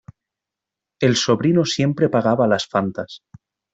El sobrino siempre pagaba las Fantas.